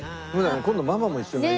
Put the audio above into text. ねっママも一緒に。